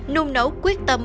nung nấu quyết tâm